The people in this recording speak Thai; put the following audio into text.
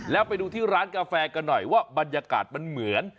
แล้วไปดูที่ร้านกาแฟกันหน่อยว่าบรรยากาศมันเหมือน